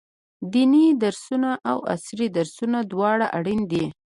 ديني درسونه او عصري درسونه دواړه اړين دي.